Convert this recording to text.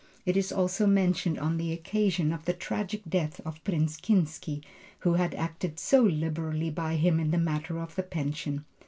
It is also mentioned on the occasion of the tragic death of Prince Kinsky, who had acted so liberally by him in the matter of the pension.